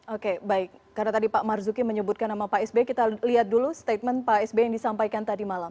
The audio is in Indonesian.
oke baik karena tadi pak marzuki menyebutkan nama pak sby kita lihat dulu statement pak sby yang disampaikan tadi malam